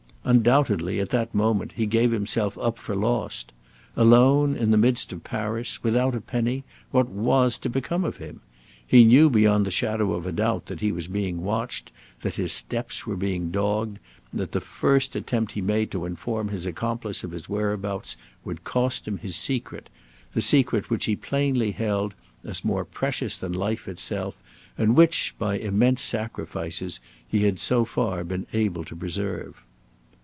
Undoubtedly, at that moment, he gave himself up for lost. Alone in the midst of Paris, without a penny, what was to become of him? He knew beyond the shadow of a doubt that he was being watched; that his steps were being dogged, that the first attempt he made to inform his accomplice of his whereabouts would cost him his secret the secret which he plainly held as more precious than life itself, and which, by immense sacrifices, he had so far been able to preserve.